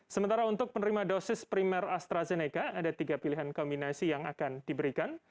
sementara untuk penerima dosis primer astrazeneca ada tiga pilihan kombinasi yang akan diberikan